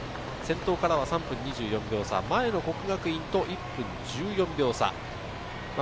先頭からは３分２４秒差、前の國學院と１分１４秒差。